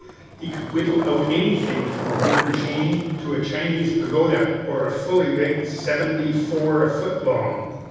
He could whittle out anything from a wooden chain to a Chinese pagoda, or a full rigged seventy four a foot long.